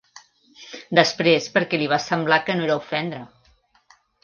Després perquè li va semblar que no era ofendre